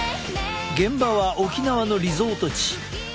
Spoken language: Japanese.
現場は沖縄のリゾート地。